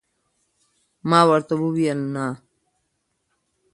ما ورته وویل: نه.